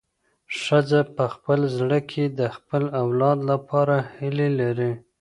ښځه په خپل زړه کې د خپل اولاد لپاره هیلې لري.